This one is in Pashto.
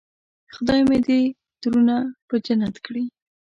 خدای مې دې ترونه په جنت کړي.